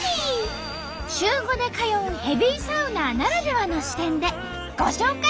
週５で通うヘビーサウナーならではの視点でご紹介！